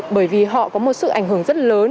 bởi vì họ có một sự ảnh hưởng rất lớn